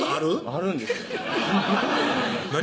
あるんですよ何？